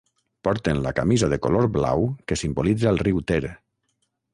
Porten la camisa de color blau que simbolitza el riu Ter.